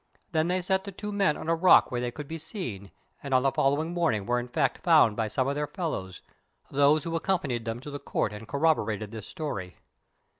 Then they set the two men on a rock where they could be seen, and on the following morning were in fact found by some of their fellows, those who accompanied them to the Court and corroborated this story.